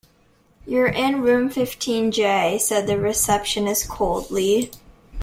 You're in room fifteen J, said the receptionist coldly.